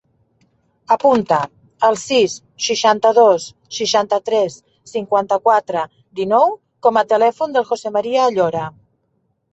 Apunta el sis, seixanta-dos, seixanta-tres, cinquanta-quatre, dinou com a telèfon del José maria Ayora.